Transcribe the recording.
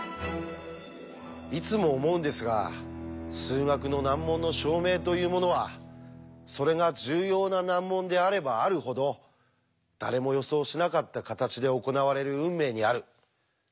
いつも思うんですが数学の難問の証明というものはそれが重要な難問であればあるほど誰も予想しなかった形で行われる運命にあるそんな気がしてなりません。